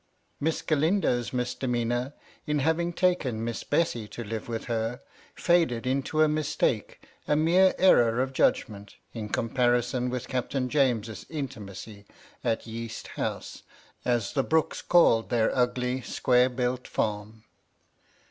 Miss Galindo's misdemeanor in having taken Miss Bessy to live with her, faded into a mistake, a mere error of judgment, in comparison with Captain James's intimacy at Yeast House, as the Brookes called their ugly square built farm.